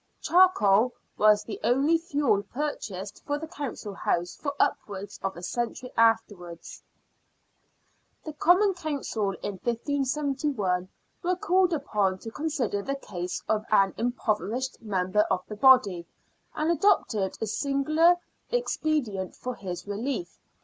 Charcoal was the only fuel purchased for the Council House for upwards of a century aftenvards. The Common Council in 1571 were called upon to con sider the case of an impoverished member of the body, and 55 56 SIXTEENTH CENTURY BRISTOL. adopted a singular expedient for his relief.